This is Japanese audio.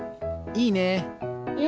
いいね！